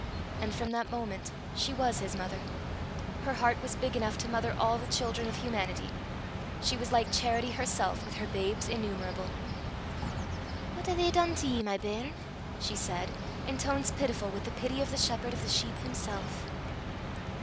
And from that moment she was his mother: her heart was big enough to mother all the children of humanity. She was like Charity herself, with her babes innumerable. "What hae they dune to ye, my bairn?" she said, in tones pitiful with the pity of the Shepherd of the sheep himself.